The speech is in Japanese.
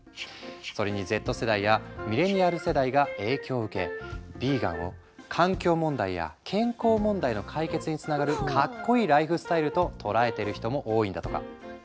それにＺ世代やミレニアル世代が影響を受けヴィーガンを環境問題や健康問題の解決につながるかっこいいライフスタイルと捉えてる人も多いんだとか。